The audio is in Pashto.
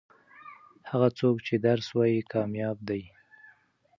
هغه څوک چې درس وايي کامياب دي.